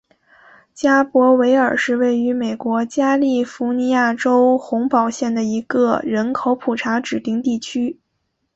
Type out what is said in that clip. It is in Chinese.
加伯维尔是位于美国加利福尼亚州洪堡县的一个人口普查指定地区。